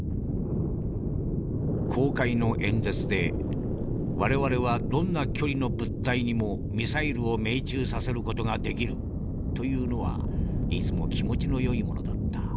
「公開の演説で我々はどんな距離の物体にもミサイルを命中させる事ができると言うのはいつも気持ちのよいものだった。